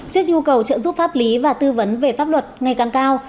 trước nhu cầu trợ giúp pháp lý và tư vấn về pháp luật ngày càng cao